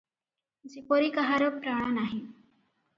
ଯେପରି କାହାର ପ୍ରାଣ ନାହିଁ ।